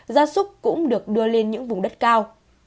gia súc cũng được đưa lên những vùng đất cao